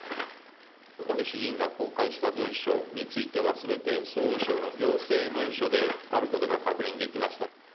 小西議員が公開した文書については、すべて総務省の行政文書であることが確認できました。